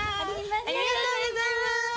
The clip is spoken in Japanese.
ありがとうございます。